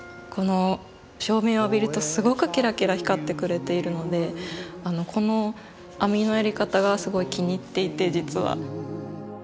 照明を浴びるとすごくキラキラ光ってくれているのでこの網のやり方がすごい気に入っていて実は。